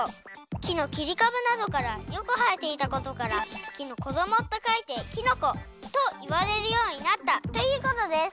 きのきりかぶなどからよくはえていたことから「きのこども」とかいて「きのこ」といわれるようになったということです。